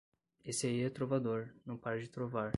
Esse aí é trovador, não para de trovar